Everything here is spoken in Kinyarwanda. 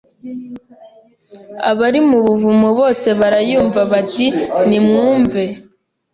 Abari mu buvumo bose barayumva bati nimwumve